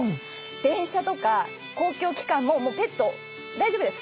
電車とか公共機関もペット大丈夫です。